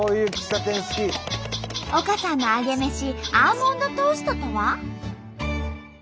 丘さんのアゲメシアーモンドトーストとは？